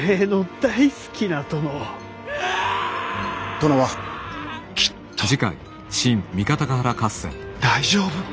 殿はきっと大丈夫。